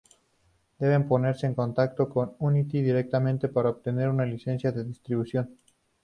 Deben ponerse en contacto con Unity directamente para obtener una licencia de distribución.